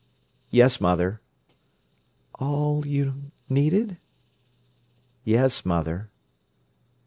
"Yes, mother." "All you—needed?" "Yes, mother."